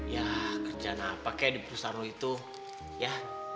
ya kerjaan apa kayak di perusahaan lo itu ya